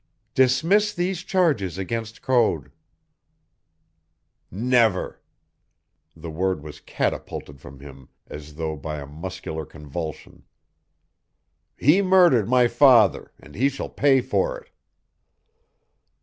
"Dismiss these charges against Code." "Never!" The word was catapulted from him as though by a muscular convulsion. "He murdered my father, and he shall pay for it!"